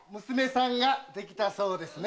娘さんができたそうで。